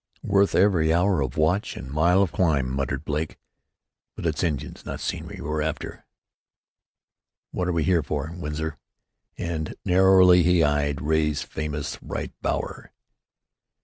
"Worth every hour of watch and mile of climb!" muttered Blake. "But it's Indians, not scenery, we're after. What are we here for, Winsor?" and narrowly he eyed Ray's famous right bower.